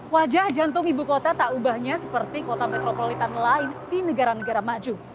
wajah jantung ibu kota tak ubahnya seperti kota metropolitan lain di negara negara maju